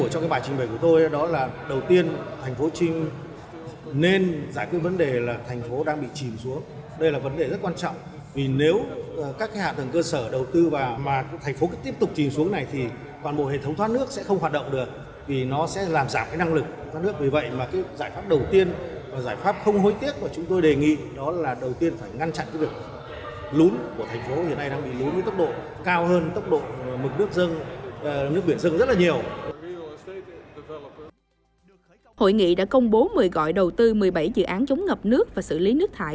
hội nghị đã công bố một mươi gọi đầu tư một mươi bảy dự án chống ngập nước và xử lý nước thải